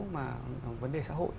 mà vấn đề xã hội